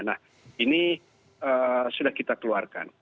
nah ini sudah kita keluarkan